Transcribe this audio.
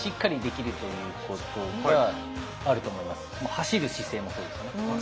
走る姿勢もそうですよね。